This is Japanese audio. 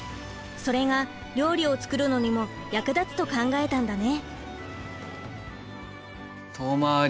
それが料理を作るのにも役立つと考えたんだね。